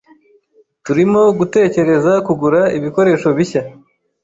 Turimo gutekereza kugura ibikoresho bishya.